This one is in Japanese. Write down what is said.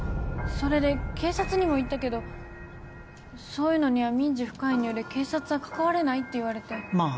それで警察にも行ったけどそういうのには民事不介入で警察は関われないって言われてまあ